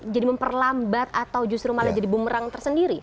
jadi memperlambat atau justru malah jadi bumerang tersendiri